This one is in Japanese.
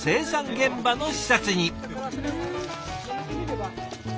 現場の視察に。